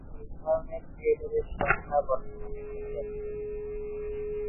এই ধরনের থিয়েটারের সংখ্যা বর্তমানে কমে যাচ্ছে।